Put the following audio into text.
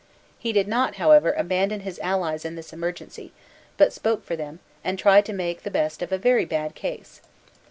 He did not however abandon his allies in this emergency, but spoke for them, and tried to make the best of a very bad case.